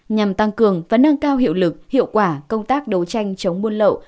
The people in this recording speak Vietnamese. nhằm tăng cường và nâng cao hiệu lực hiệu quả công tác đấu tranh chống buôn lậu